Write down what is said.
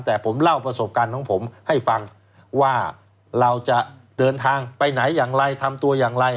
แต่ผมเล่าประสบการณ์ของผมให้ฟังว่าเราจะเดินทางไปไหนอย่างไรทำตัวอย่างไร